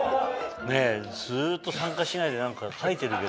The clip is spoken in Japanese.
ねぇずっと参加しないで何か書いてるけど。